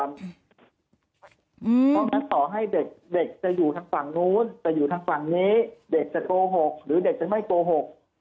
เพราะฉะนั้นต่อให้เด็กจะอยู่ทางฝั่งนู้นจะอยู่ทางฝั่งนี้เด็กจะโกหกหรือเด็กจะไม่โกหก